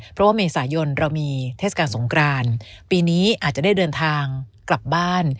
เพราะว่าเมษายนเรามีเทศกาลสงครานปีนี้อาจจะได้เดินทางกลับบ้าน